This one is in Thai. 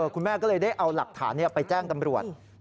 คุณแม่ก็เลยได้เอาหลักฐานไปแจ้งตำรวจ